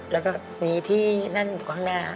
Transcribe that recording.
แล้วก็มีที่นั่นอยู่ข้างหน้า